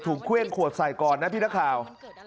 เครื่องขวดใส่ก่อนนะพี่นักข่าว